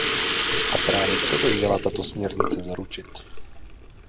A právě to by měla tato směrnice zaručit.